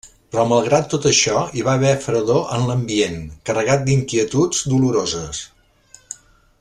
Però malgrat tot això hi va haver fredor en l'ambient, carregat d'inquietuds doloroses.